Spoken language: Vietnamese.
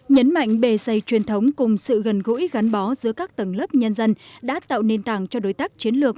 nhấn mạnh bề xây truyền thống cùng sự gần gũi gắn bó giữa các tầng lớp nhân dân đã tạo nền tảng cho đối tác chiến lược